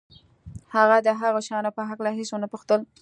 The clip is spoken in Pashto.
هغه د هغو شیانو په هکله هېڅ ونه پوښتل